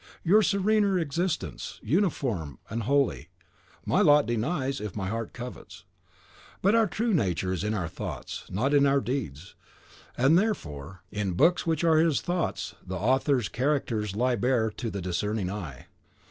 Your serener existence, uniform and holy, my lot denies, if my heart covets. But our true nature is in our thoughts, not our deeds: and therefore, in books which ARE his thoughts the author's character lies bare to the discerning eye.